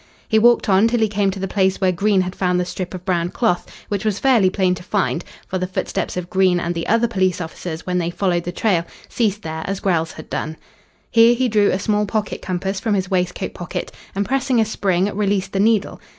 He walked on till he came to the place where Green had found the strip of brown cloth, which was fairly plain to find, for the footsteps of Green and the other police officers when they followed the trail ceased there as Grell's had done. Here he drew a small pocket compass from his waistcoat pocket, and pressing a spring released the needle.